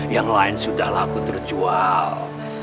yang lain sudah laku terjual